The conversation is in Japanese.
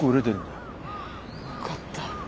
よかった。